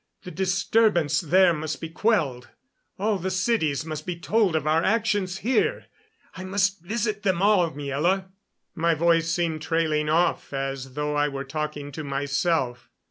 The disturbance there must be quelled. All the cities must be told of our actions here. I must visit them all, Miela." My voice seemed trailing off as though I were talking to myself.